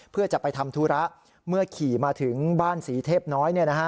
เพื่อจะไปทำธุระเมื่อขี่มาถึงบ้านศรีเทพน้อย